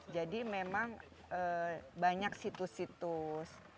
jadi memang banyak situs situs